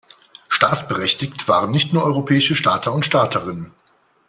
Startberechtigt waren nicht nur europäische Starter und Starterinnen.